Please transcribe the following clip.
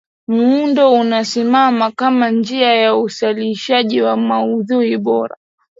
muundo unasimama kama njia ya uzalishaji wa maudhui bora